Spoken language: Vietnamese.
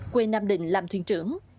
quê nam định làm thuyền trưởng